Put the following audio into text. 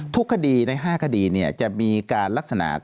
ทุกคดีใน๕คดีจะมีการลักษณะ